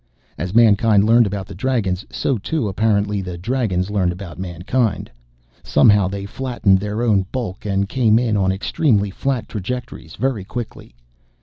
As mankind learned about the Dragons, so too, apparently, the Dragons learned about mankind. Somehow they flattened their own bulk and came in on extremely flat trajectories very quickly.